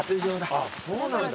あっそうなんだ。